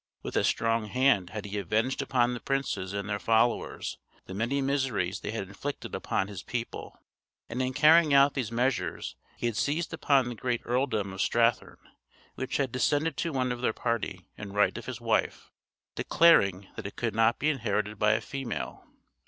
With a strong hand had he avenged upon the princes and their followers the many miseries they had inflicted upon his people; and in carrying out these measures he had seized upon the great earldom of Strathern, which had descended to one of their party in right of his wife, declaring that it could not be inherited by a female.